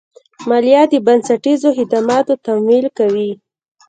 مالیه د بنسټیزو خدماتو تمویل کوي.